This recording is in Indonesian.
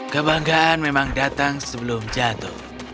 kebanggaan memang datang sebelum jatuh